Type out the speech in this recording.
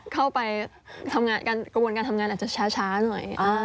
เข้าไปทำงานกระบวนการทำงานอาจจะช้าหน่อย